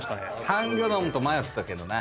ハンギョドンと迷ったけどな。